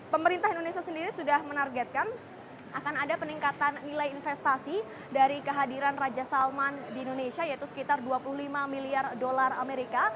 pemerintah indonesia sendiri sudah menargetkan akan ada peningkatan nilai investasi dari kehadiran raja salman di indonesia yaitu sekitar dua puluh lima miliar dolar amerika